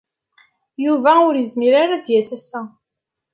Yuba ur izmir ara ad yas ass-a.